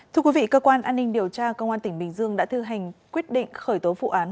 thưa quý vị cơ quan an ninh điều tra công an tỉnh bình dương đã thư hành quyết định khởi tố vụ án